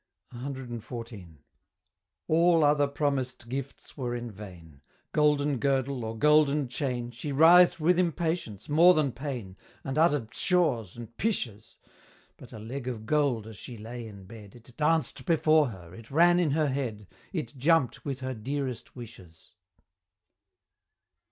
CXIV. All other promised gifts were in vain. Golden Girdle, or Golden Chain, She writhed with impatience more than pain, And utter'd "pshaws!" and "pishes!" But a Leg of Gold as she lay in bed, It danced before her it ran in her head! It jump'd with her dearest wishes!